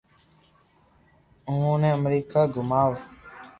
اووہ ني امريڪا گوماوُ